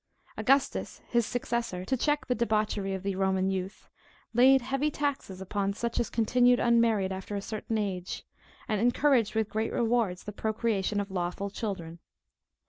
Augustus, his successor, to check the debauchery of the Roman youth, laid heavy taxes upon such as continued unmarried after a certain age, and encouraged with great rewards, the procreation of lawful children.